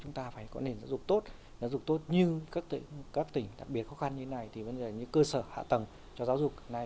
chúng ta phải có nền giáo dục tốt giáo dục tốt như các tỉnh đặc biệt khó khăn như thế này như cơ sở hạ tầng cho giáo dục